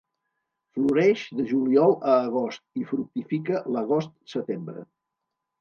Floreix de juliol a agost i fructifica l'agost-setembre.